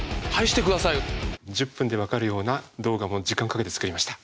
１０分でわかるような動画を時間かけて作りました。